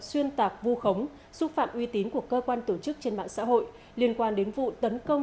xuyên tạc vu khống xúc phạm uy tín của cơ quan tổ chức trên mạng xã hội liên quan đến vụ tấn công